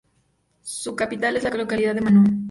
Su capital es la localidad de Manu.